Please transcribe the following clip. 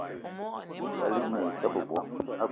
Balig mal ai issa bebo